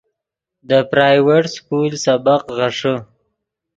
دے پرائیویٹ سکول سبق غیݰے